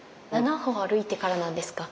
７歩歩いてからなんですか？